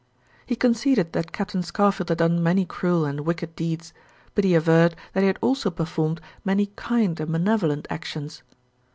He conceded that Captain Scarfield had done many cruel and wicked deeds, but he averred that he had also performed many kind and benevolent actions.